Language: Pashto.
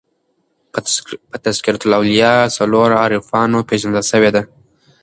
په "تذکرةالاولیاء" څلور عارفانو پېژندل سوي دي.